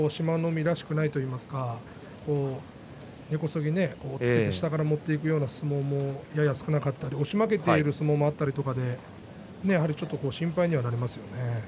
海らしさがないといいますか根こそぎ下から持っていくような相撲が突けなかったり押し負けている相撲があったりちょっと心配になりますね。